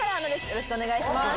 よろしくお願いします。